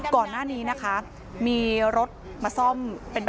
ก่อนหน้านี้นะคะมีรถมาซ่อมเป็น